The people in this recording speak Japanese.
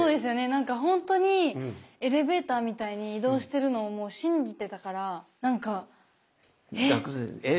何か本当にエレベーターみたいに移動してるのを信じてたから何か「え？」